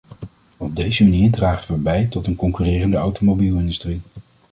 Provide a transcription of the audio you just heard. Op deze manier dragen we bij tot een concurrerende automobielindustrie.